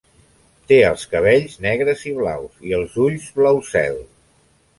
Té els cabells negres i blaus i els ulls blau cel.